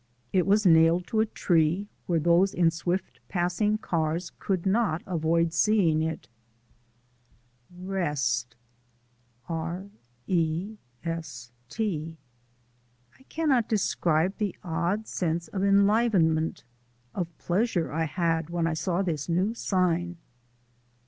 It was nailed to a tree where those in swift passing cars could not avoid seeing it: [ REST ] I cannot describe the odd sense of enlivenment, of pleasure I had when I saw this new sign.